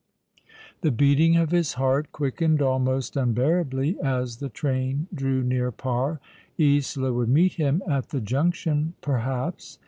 The beating of his heart quickened almost unbearably, as the train drew near Par. Isola would meet him at the Junction, perhaps.